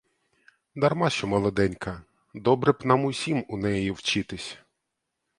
Дарма що молоденька, — добре б нам усім у неї вчитись!